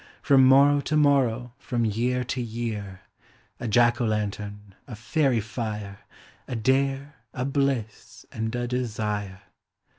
From morrow to morrow, from year to year, A jack o' lantern, a fairy tire, A dare, a bliss, and a desire!